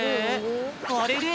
あれれ！？